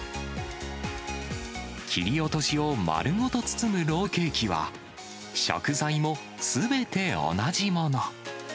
切り落としを丸ごと包むロールケーキは、食材もすべて同じもの。